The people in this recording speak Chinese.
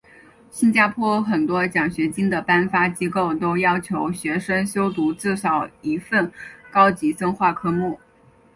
新加坡很多奖学金的颁发机构都要求学生修读至少一份高级深化科目。